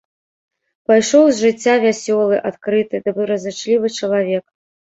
Пайшоў з жыцця вясёлы, адкрыты, добразычлівы чалавек.